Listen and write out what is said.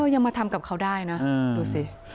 ยังมาทำกับเขาได้นะดูสิ